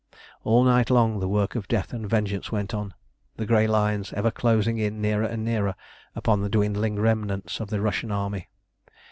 All night long the work of death and vengeance went on; the grey lines ever closing in nearer and nearer upon the dwindling remnants of the Russian army.